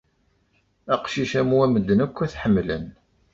Aqcic am wa medden akk ad t-ḥemmlen.